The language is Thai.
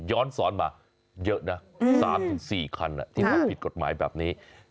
ย้อนสอนมาเยอะนะ๓๔คันที่ทำผิดกฎหมายแบบนี้